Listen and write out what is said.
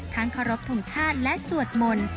ทั้งเคารพธงชาติและสวดมนตร์